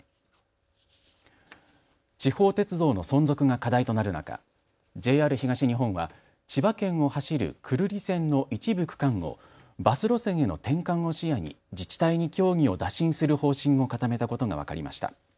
地方鉄道の存続が課題となる中、ＪＲ東日本は千葉県を走る久留里線の一部区間をバス路線への転換を視野に自治体に協議を打診する方針を固めたことが分かりました。